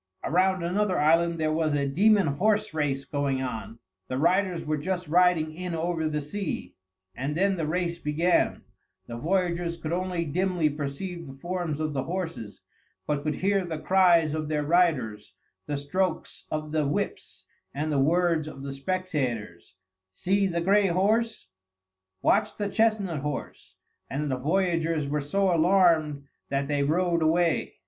Around another island there was a demon horse race going on; the riders were just riding in over the sea, and then the race began; the voyagers could only dimly perceive the forms of the horses, but could hear the cries of their riders, the strokes of the whips, and the words of the spectators, "See the gray horse!" "Watch the chestnut horse!" and the voyagers were so alarmed that they rowed away.